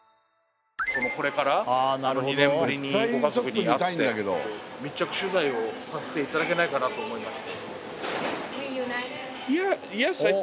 これから２年ぶりにご家族に会うのを密着取材をさせていただけないかなと思いまして。